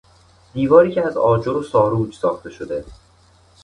دیواری که از آجر و ساروج ساخته شده